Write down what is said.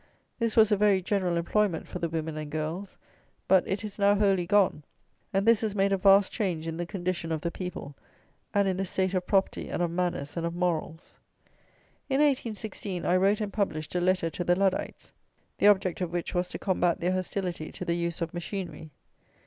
This was a very general employment for the women and girls; but it is now wholly gone; and this has made a vast change in the condition of the people, and in the state of property and of manners and of morals. In 1816, I wrote and published a Letter to the Luddites, the object of which was to combat their hostility to the use of machinery.